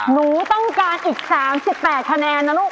หนูต้องการอีก๓๘คะแนนนะลูก